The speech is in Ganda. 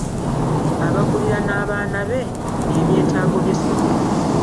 Abagulira n'abaana be ebyetaago by'essomero.